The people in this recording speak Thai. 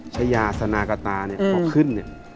ชยาสนากตาพอขึ้น